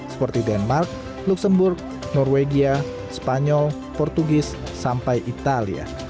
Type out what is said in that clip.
seperti denmark luxembourg norwegia spanyol portugis sampai italia